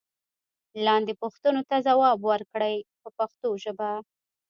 لاندې پوښتنو ته ځواب ورکړئ په پښتو ژبه.